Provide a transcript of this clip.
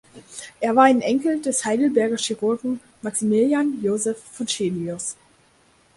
Er war ein Enkel des Heidelberger Chirurgen Maximilian Joseph von Chelius.